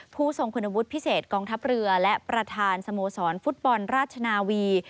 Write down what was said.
ผู้ทรงคุณวุฒิพิเศษกองทัพเรือและประธานสโมสรฟุตบอลราชนาวี